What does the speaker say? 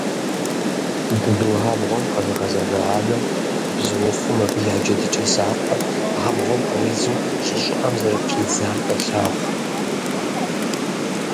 Бзуабгъуэм къэзыгъэзэжа анэм, бзуухъум абы я джэдыкӀэ закъуэр абгъуэм къридзу щӀы щӀыӀэм зэрытридзар къелъагъу.